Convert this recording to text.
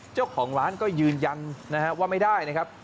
เจ้าของร้านก็ยืนยันนะฮะว่าไม่ได้นะครับ